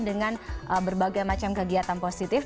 dengan berbagai macam kegiatan positif